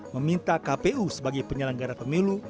meminta kpu sebagai penyelenggara pemilu